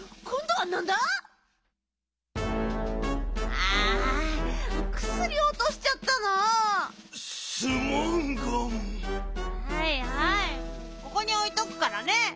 はいはいここにおいとくからね。